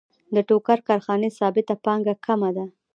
د ټوکر کارخانې ثابته پانګه کمه ده